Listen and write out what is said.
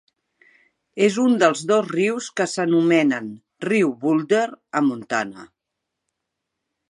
És un dels dos rius que s'anomenen riu Boulder a Montana.